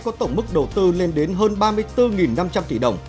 có tổng mức đầu tư lên đến hơn ba mươi bốn năm trăm linh tỷ đồng